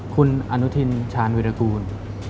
คุณอนุทินชาญวิรากูล